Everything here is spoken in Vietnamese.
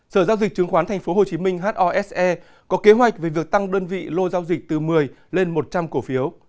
sở giao dịch chứng khoán tp hcm hose có kế hoạch về việc tăng đơn vị lô giao dịch từ một mươi lên một trăm linh cổ phiếu